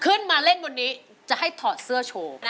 ขึ้นมาเล่นบนนี้จะให้ถอดเสื้อโชว์